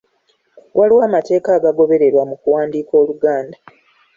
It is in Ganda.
Waliwo amateeka agagobererwa mu kuwandiika Oluganda.